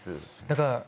だから。